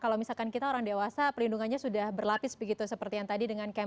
kalau misalkan kita orang dewasa perlindungannya sudah berlapis begitu seperti yang tadi dengan camp